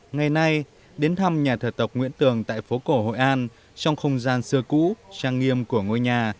ngày nay đến thăm nhà thờ tộc nguyễn tường tại phố cổ hội an trong không gian xưa cũ trang nghiêm của ngôi nhà